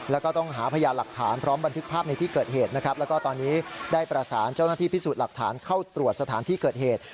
แล้วก็ต้องหาพยานหลักฐานพร้อมบันทึกภาพในที่เกิดเหตุนะครับแล้วก็ตอนนี้ได้ประสานเจ้าหน้าที่พิสูจน์หลักฐานเข้าตรวจสถานที่เกิดเหตุ